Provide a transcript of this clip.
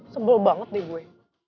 sebel banget deh gue